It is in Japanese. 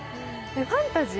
ファンタジー？